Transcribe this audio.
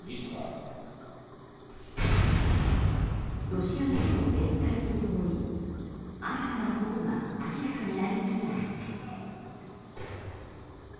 ロシア軍の撤退と共に新たなことが明らかになりつつあります。